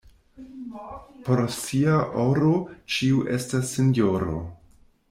Por sia oro ĉiu estas sinjoro.